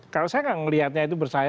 kalau saya nggak ngelihatnya itu bersayap